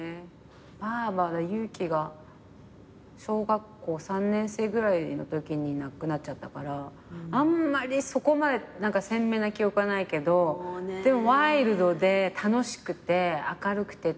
ばあばはゆう姫が小学校３年生ぐらいのときに亡くなっちゃったからあんまりそこまで鮮明な記憶はないけどでもワイルドで楽しくて明るくてっていう。